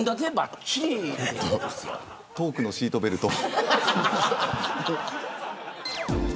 トークのシートベルト。